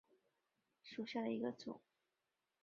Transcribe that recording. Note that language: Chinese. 掌叶花烛为天南星科花烛属下的一个种。